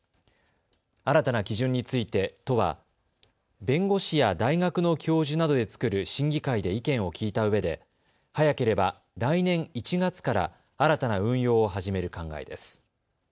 新たな基準について都は弁護士や大学の教授などで作る審議会で意見を聞いたうえで早ければ来年１月から新たな運用を始める考えです。